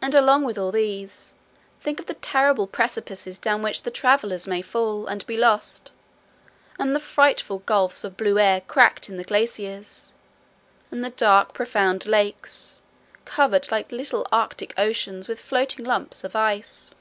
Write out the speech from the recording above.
And along with all these, think of the terrible precipices down which the traveller may fall and be lost, and the frightful gulfs of blue air cracked in the glaciers, and the dark profound lakes, covered like little arctic oceans with floating lumps of ice.